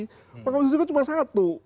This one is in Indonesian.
pak kamah konstitusi kan cuma satu